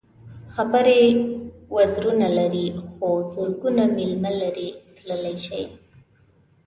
خبرې وزرونه نه لري خو زرګونه مېله لرې تللی شي.